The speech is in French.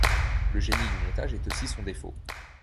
Le génie du montage est aussi son défaut.